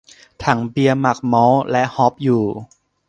ถังเบียร์หมักมอลต์และฮอปอยู่